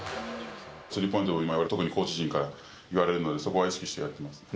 スリーポイントは特にコーチ陣から言われるので、そこは意識してやってます。